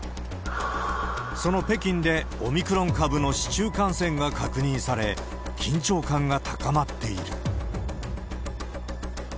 その北京でオミクロン株の市中感染が確認され、緊張感が高まっている。